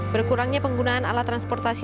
berkurangnya penggunaan alat transportasi